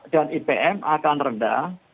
dan ipm akan rendah